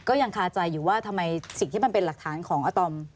ยังคาใจอยู่ว่าทำไมสิ่งที่มันเป็นหลักฐานของอาตอม